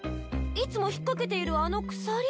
いつも引っ掛けているあの鎖？